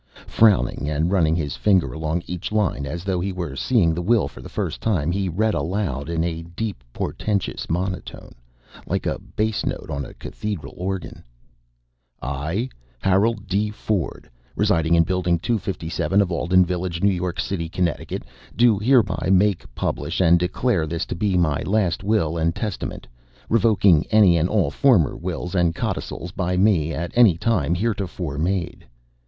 Frowning and running his finger along each line, as though he were seeing the will for the first time, he read aloud in a deep portentous monotone, like a bass note on a cathedral organ. "I, Harold D. Ford, residing in Building 257 of Alden Village, New York City, Connecticut, do hereby make, publish and declare this to be my last Will and Testament, revoking any and all former wills and codicils by me at any time heretofore made."